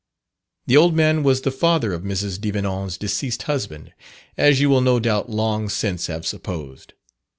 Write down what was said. The old man was the father of Mrs. Devenant's deceased husband, as you will no doubt long since have supposed.